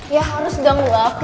ya harus dong laku